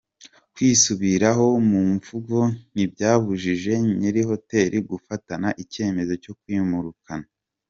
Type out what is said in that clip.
Kwisubiraho mu mvugo ntibyabujije nyiri hoteli gufatana icyemezo cyo kumwirukana.